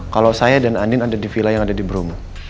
kalau saya dan andin ada di villa yang ada di bromo